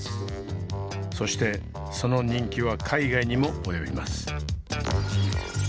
そしてその人気は海外にも及びます。